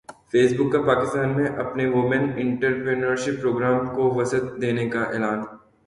face بک کا پاکستان میں اپنے وومن انٹرپرینیورشپ پروگرام کو وسعت دینے کا اعلان